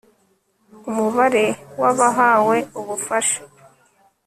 umubare w abahawe ubufasha